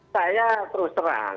saya terus terang